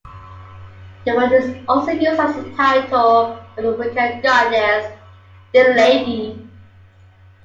The word is also used as a title of the Wicca goddess, "The Lady".